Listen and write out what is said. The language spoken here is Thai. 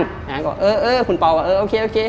แล้วเขาก็เออเออคุณโป่ว่าเออโอเค